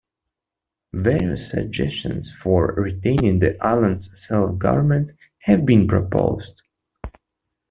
Various suggestions for retaining the island's self-government have been proposed.